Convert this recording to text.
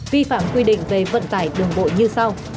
vi phạm quy định về vận tải đường bộ như sau